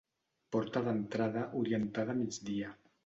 Porta d'entrada orientada a migdia.